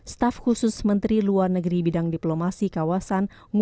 staf khusus menteri luar negeri bidang diplomasi kawasan